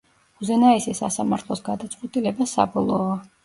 უზენაესი სასამართლოს გადაწყვეტილება საბოლოოა.